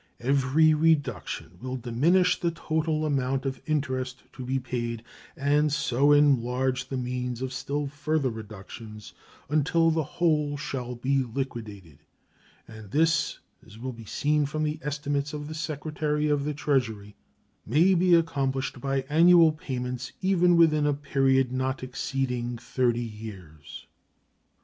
Every reduction will diminish the total amount of interest to be paid, and so enlarge the means of still further reductions, until the whole shall be liquidated; and this, as will be seen from the estimates of the Secretary of the Treasury, may be accomplished by annual payments even within a period not exceeding thirty years.